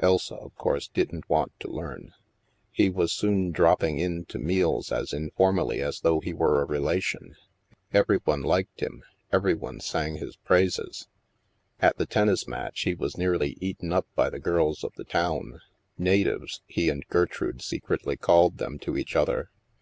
(Elsa, of course, didn't want to learn. ) He was soon dropping in to meaJs as informally as though he were a relation. Every one liked him ; every one sang his praises. At the tennis match, he was nearly eaten up by the girls of the town —" natives " he and Gertrude secretly called them to each other.